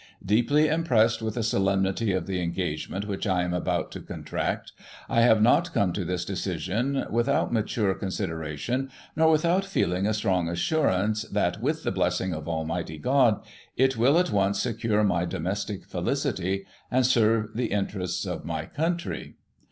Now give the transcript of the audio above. Deeply impressed with the solemnity of the engagement which I am about to contract, I have not come to this decision without mature con sideration, nor without feeling a strong assurance that, with the blessing of Almighty God, it will at once secure my domestic felicity, and serve the interests of my country.